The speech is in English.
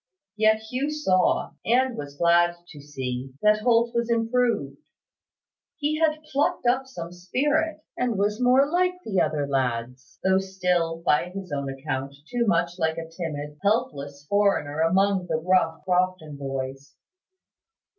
Yet Hugh saw, and was glad to see, that Holt was improved. He had plucked up some spirit, and was more like other lads, though still, by his own account, too much like a timid, helpless foreigner among the rough Crofton boys.